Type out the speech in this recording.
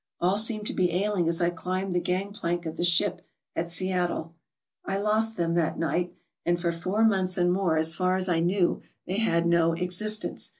All seemed to be ailing as I climbed the gang plank of the ship at Seattle. I lost them that night; and for four months and more, as far as I knew, they had no existence.